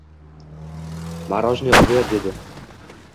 Morojniy ober, dedi.